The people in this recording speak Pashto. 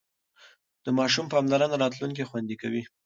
د ماشوم پاملرنه راتلونکی خوندي کوي.